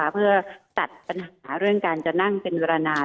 เพื่อตัดปัญหาเรื่องการจะนั่งเป็นเวลานาน